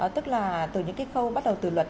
tức là từ những cái khâu bắt đầu từ luật